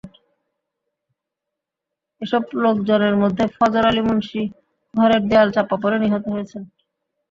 এসব লোকজনের মধ্যে ফজর আলী মুন্সি ঘরের দেয়াল চাপা পড়ে নিহত হয়েছেন।